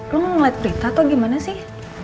kamu ngeliat berita atau gimana sih